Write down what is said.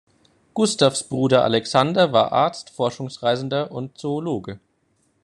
Gustavs Bruder Alexander war Arzt, Forschungsreisender und Zoologe.